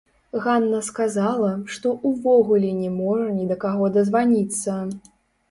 Ганна сказала, што ўвогуле не можа ні да каго дазваніцца.